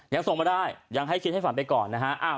ยังส่งมาได้ยังให้คิดให้ฝันไปก่อนนะฮะ